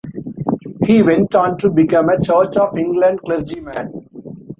He went on to become a Church of England clergyman.